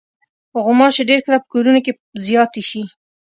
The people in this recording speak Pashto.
غوماشې ډېر کله په کورونو کې زیاتې شي.